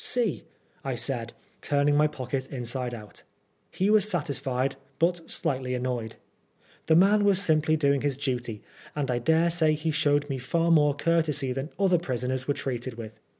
See I" I said, turning my pocket inside out. He was satisfied, but slightly annoyed. The man was simply doing his duty, and I daresay he showed me far more courtesy than other prisoners were treated with.